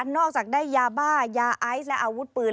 นอกจากได้ยาบ้ายาไอซ์และอาวุธปืน